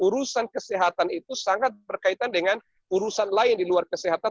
urusan kesehatan itu sangat berkaitan dengan urusan lain di luar kesehatan